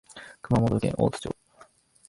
熊本県大津町